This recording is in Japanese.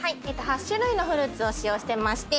８種類のフルーツを使用してまして。